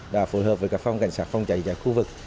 đã phối hợp với các phòng cảnh sát phòng cháy và khu vực